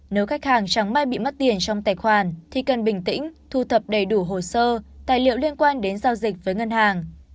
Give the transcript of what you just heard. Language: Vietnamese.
nếu khách hàng trắng may bị mất tiền trong tài khoản thì cần bình tĩnh thu thập đầy đủ hồ sơ tài liệu liên quan đến giao dịch với ngân hàng